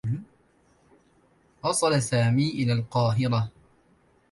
وصل سامي إلى القاهرة.